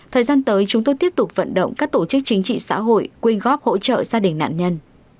thời gian tới chúng tôi tiếp tục vận động các tổ chức chính trị xã hội quyên góp hỗ trợ gia đình nạn nhân